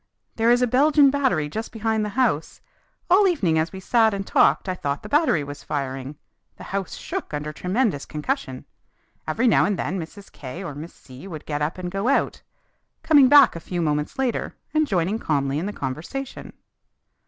"There is a Belgian battery just behind the house. All evening as we sat and talked I thought the battery was firing; the house shook under tremendous concussion. Every now and then Mrs. K or Miss C would get up and go out, coming back a few moments later and joining calmly in the conversation.